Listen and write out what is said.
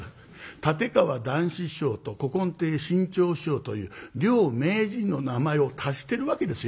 立川談志師匠と古今亭志ん朝師匠という両名人の名前を足してるわけですよ。